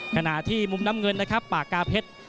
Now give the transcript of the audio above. ขณะที่มุมน้ำเงินนะครับปากกาเพชร